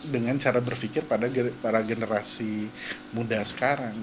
dengan cara berpikir pada para generasi muda sekarang